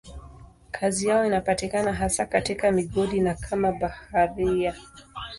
Kazi yao inapatikana hasa katika migodi na kama mabaharia.